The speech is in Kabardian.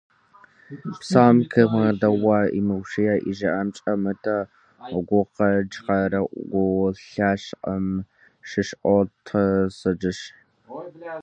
Псэм къимыгъэдэӀуа, имыущия, и жыӀэм щӀэмыта гукъэкӀхэр гу лъащӀэм щӀыщӀотӀысыкӀыж.